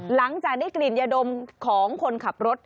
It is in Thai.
หลังจากได้กลิ่นยาดมของคนขับรถ